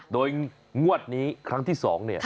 โดยงวดนี้ครั้งที่๒เนี่ย